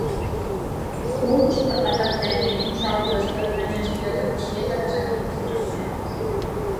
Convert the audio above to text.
Uns per la pandèmia i uns altres per una gestió deficient de les administracions.